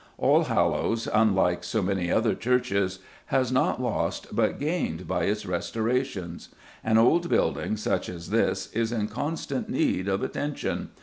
Allhallows, unlike so many other churches, has not lost but gained by its restorations. An old building, such as this, is in constant need of attention.